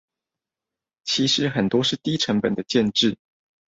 其實很多是低成本的建置